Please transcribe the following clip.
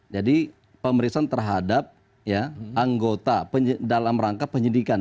jadi pemeriksaan terhadap ya anggota dalam rangka penyidikan